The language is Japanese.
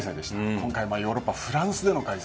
今回はヨーロッパフランスでの開催。